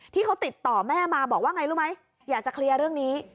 ที่เขาติดต่อแม่มาบอกว่าไงรู้ไหมอยากจะเคลียร์เรื่องนี้